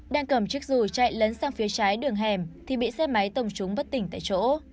đang cầm chiếc dù chạy lấn sang phía trái đường hẻm thì bị xe máy tông trúng bất tỉnh tại chỗ